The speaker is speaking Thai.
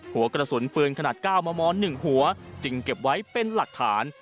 หัวกระสุนปืนขนาด๙มม๑หัวจึงเก็บไว้เป็นหลักฐาน